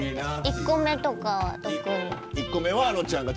１個目とか特に。